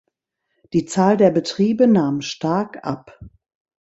Die Zahl der Betriebe nahm stark ab.